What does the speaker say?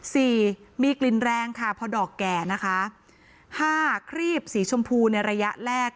สี่มีกลิ่นแรงค่ะพอดอกแก่นะคะห้าครีบสีชมพูในระยะแรก